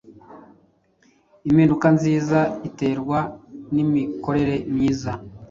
impinduka nziza.iterwa nimikorere myiza